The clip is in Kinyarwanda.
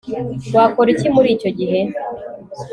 Wakora iki muricyo gihe